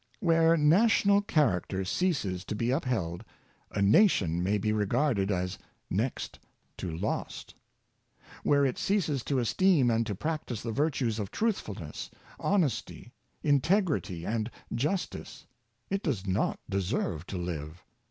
Where national character ceases to be upheld, a na tion may be regarded as next to lost. Where it ceases to esteem and to practice the virtues of truthfulness, honesty, integrity, and justice, it does not deserve to live.